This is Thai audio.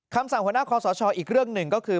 คำสั่งหัวหน้าคอสชอีกเรื่องหนึ่งก็คือ